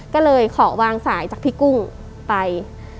ก็เลยขอวางสายจากพี่กุ้งไป